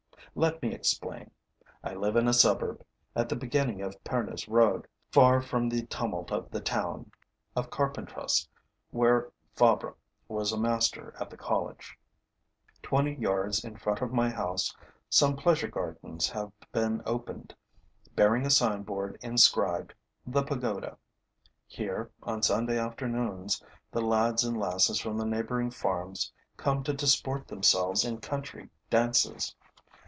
Let me explain. I live in a suburb, at the beginning of the Pernes Road, far from the tumult of the town [of Carpentras where Fabre was a master at the college]. Twenty yards in front of my house, some pleasure gardens have been opened, bearing a signboard inscribed, 'The Pagoda.' Here, on Sunday afternoons, the lads and lasses from the neighboring farms come to disport themselves in country dances.